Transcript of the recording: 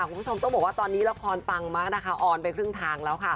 คุณผู้ชมต้องบอกว่าระครปังมาวอลแบบนี้ไปครึ่งทางแล้ว